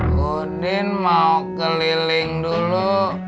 gue din mau keliling dulu